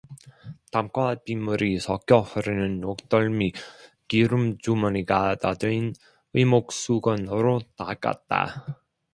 땀과 빗물이 섞여 흐르는 목덜미를 기름주머니가 다된 왜목 수건으로 닦았다